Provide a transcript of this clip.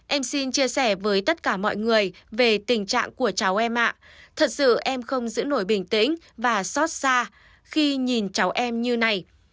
em xin chia sẻ với tất cả mọi người về tình trạng của cháu em mạ thật sự em không giữ nổi bình tĩnh và xót xa khi nhìn cháu em như này